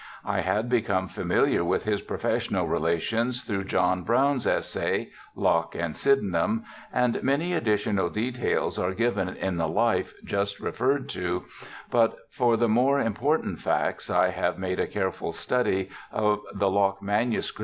I had become familiar with his professional relations through John Brown's essay, Locke and Sydenham, and many additional details are given in the Life just re ferred to, but for the more important facts I have made a careful study of the Locke MSS.